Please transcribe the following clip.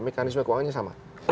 mekanisme keuangannya sama